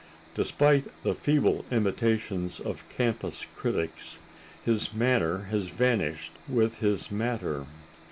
Despite the feeble imitations of campus critics, his manner has vanished with his matter.